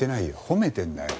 褒めてんだよ。